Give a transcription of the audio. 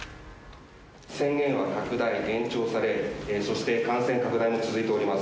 宣言は拡大、延長され、そして感染拡大も続いております。